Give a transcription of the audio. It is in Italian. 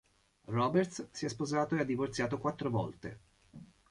Roberts si è sposato e ha divorziato quattro volte.